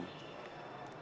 aku juga beneran